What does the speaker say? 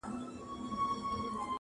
حیوانات ستا ترڅنګ د ارام احساس کوي